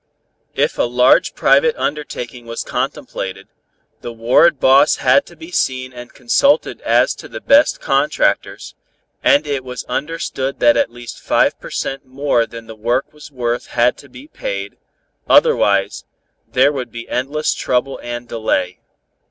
If a large private undertaking was contemplated, the ward boss had to be seen and consulted as to the best contractors, and it was understood that at least five per cent. more than the work was worth had to be paid, otherwise, there would be endless trouble and delay.